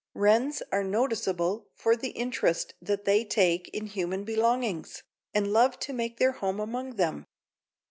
Wrens are noticeable for the interest that they take in human belongings, and love to make their home among them.